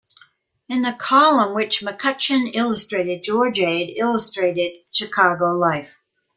In the column, which McCutcheon illustrated, George Ade illustrated Chicago life.